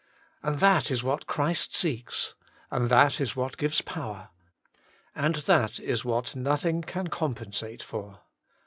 And that is what Christ seeks. And that is what gives power. And that is what nothing can compensate for.